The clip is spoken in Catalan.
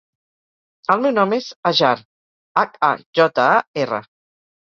El meu nom és Hajar: hac, a, jota, a, erra.